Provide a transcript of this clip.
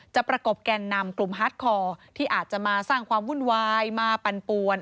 ประกบแก่นนำกลุ่มฮาร์ดคอร์ที่อาจจะมาสร้างความวุ่นวายมาปั่นปวน